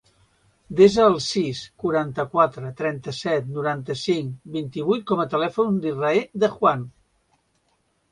Desa el sis, quaranta-quatre, trenta-set, noranta-cinc, vint-i-vuit com a telèfon de l'Israe De Juan.